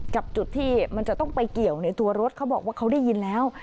จุดที่มันจะต้องไปเกี่ยวในตัวรถเขาบอกว่าเขาได้ยินแล้ว